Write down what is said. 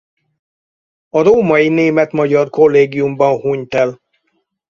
A római Német-Magyar Kollégiumban hunyt el.